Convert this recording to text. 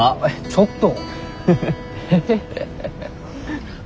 ちょっと！